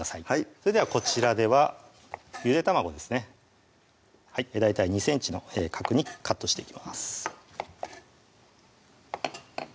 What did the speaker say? それではこちらではゆで卵ですね大体２ｃｍの角にカットしていきます